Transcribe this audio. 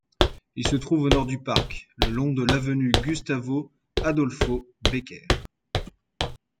Il se trouve au nord du parc, le long de l'avenue Gustavo Adolfo Bécquer.